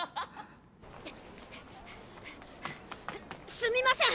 すみません